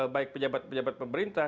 baik pejabat pejabat pemerintah